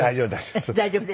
大丈夫です。